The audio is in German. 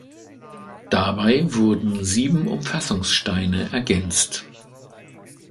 Dabei wurden sieben Umfassungssteine ergänzt.